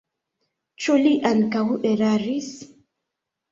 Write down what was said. Ĉu li ankaŭ eraris?